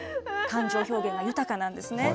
感情表現が豊かなんですね。